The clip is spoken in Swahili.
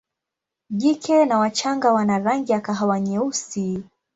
Jike na wachanga wana rangi ya kahawa nyeusi.